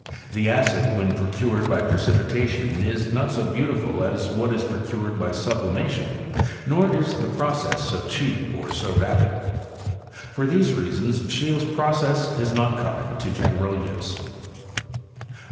The acid when procured by pre cipitation is not 80 beautiful as what is procured by sublimation ; nor is the process so cheap or so rapid. For these reasons, Scheele's process has not come into general use.